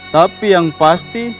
tapi yang pasti